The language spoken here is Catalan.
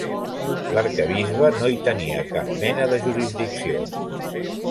L'arquebisbe no hi tenia cap mena de jurisdicció.